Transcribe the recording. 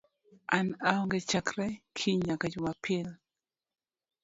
An aonge chakre kiny nyaka Jumapil